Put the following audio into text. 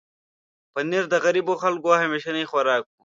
پنېر د غریبو خلکو همیشنی خوراک و.